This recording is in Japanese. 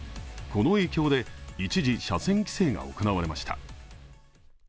この影響で一時、車線規制が行われました。